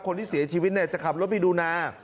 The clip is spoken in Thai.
คนที่เสียชีวิตจะขับรถไปดูนา